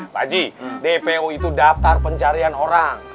pak haji dpo itu daftar pencarian orang